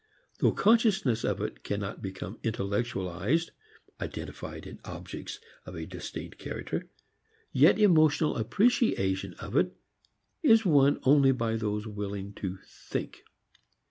Though consciousness of it cannot become intellectualized (identified in objects of a distinct character) yet emotional appreciation of it is won only by those willing to think.